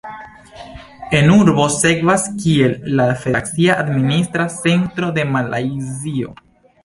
La urbo servas kiel la federacia administra centro de Malajzio.